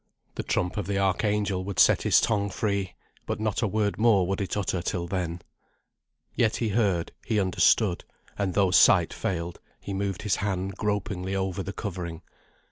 The trump of the archangel would set his tongue free; but not a word more would it utter till then. Yet he heard, he understood, and though sight failed, he moved his hand gropingly over the covering.